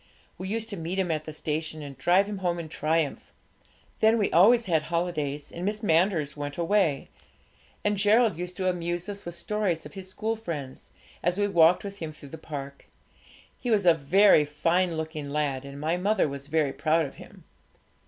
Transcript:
We used to meet him at the station, and drive him home in triumph. Then we always had holidays, and Miss Manders went away, and Gerald used to amuse us with stories of his school friends, as we walked with him through the park. He was a very fine looking lad, and my mother was very proud of him.